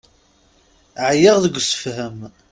Ɛyiɣ deg usefhem.